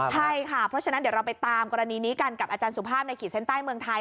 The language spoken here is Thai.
เพราะฉะนั้นเราก็จะตามกรณีนี้กับอสูภาพในขีดเซ็นต์ใต้เมืองไทย